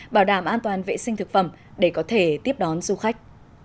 bảo đảm an toàn vệ sinh thực phẩm để có thể tiếp đón du khách